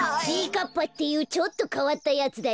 かっぱっていうちょっとかわったやつだよ。